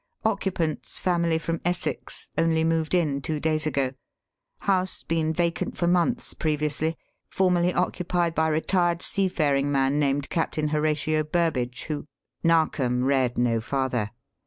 Occupants, family from Essex. Only moved in two days ago. House been vacant for months previously. Formerly occupied by retired seafaring man named Capt. Horatio Burbage, who " Narkom read no farther.